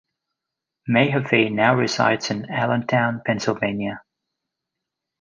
Mahaffey now resides in Allentown, Pennsylvania.